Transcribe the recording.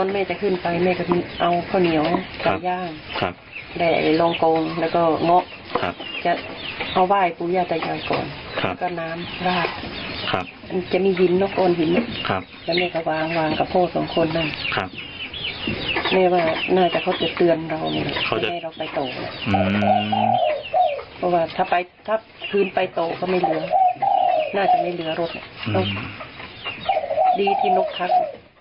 แบบว่าถ้าพื้นไปโตก็ไม่เหลือน่าจะไม่เหลือรถดีที่นกพัก